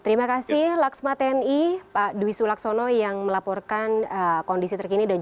terima kasih laksma tni pak dwi sulaksono yang melaporkan kondisi terkini